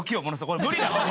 これ無理だわ！